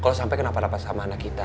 kalau sampai kenapa napa sama anak kita